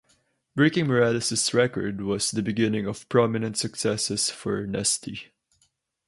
Breaking Morales's record was the beginning of prominent successes for Nesty.